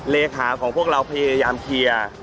เลขาของพวกเราพยายามเคลียร์